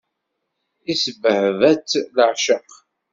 Isbehba-tt leεceq.